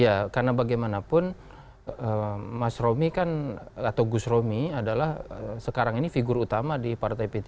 ya karena bagaimanapun mas romi kan atau gus romi adalah sekarang ini figur utama di partai p tiga